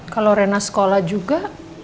kalau rena sekolah juga